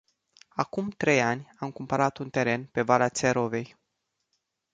Acum trei ani am cumpărat un teren pe valea Țerovei.